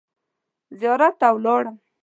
زیارت ته ولاړم.